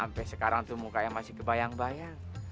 sampai sekarang tuh mukanya masih kebayang bayang